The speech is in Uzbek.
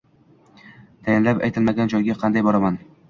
– Tayinlab aytilmagan joyga qanday boraman?